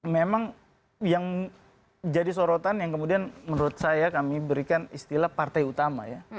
memang yang jadi sorotan yang kemudian menurut saya kami berikan istilah partai utama ya